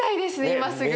今すぐ。